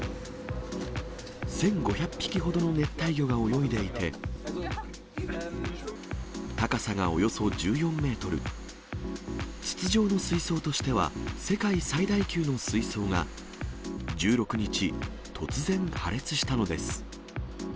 １５００匹ほどの熱帯魚が泳いでいて、高さがおよそ１４メートル、筒状の水槽としては世界最大級の水槽が、１６日、突然破裂したのです。